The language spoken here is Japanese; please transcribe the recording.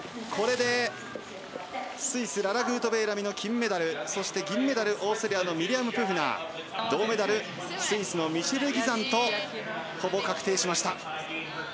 これでスイスララ・グートベーラミの金メダルそして銀メダル、オーストリアのミリアム・プフナー銅メダルにスイスのミシェル・ギザンとほぼ確定しました。